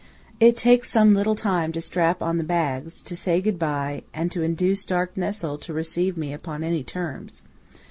It takes some little time to strap on the bags, to say good bye, and to induce dark Nessol to receive me upon any terms.